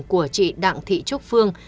của chị đặng thị trúc phương